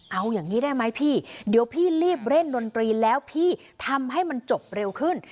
เอาอย่างนี้ได้ไหมพี่เดี๋ยวพี่รีบเล่นดนตรีแล้วพี่ทำให้มันจบเร็วขึ้น